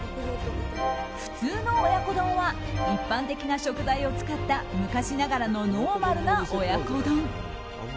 普通の親子丼は一般的な食材を使った昔ながらのノーマルな親子丼。